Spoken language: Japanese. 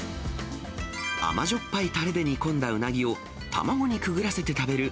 甘じょっぱいたれで煮込んだうなぎを、卵にくぐらせて食べる